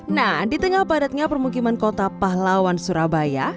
nah di tengah padatnya permukiman kota pahlawan surabaya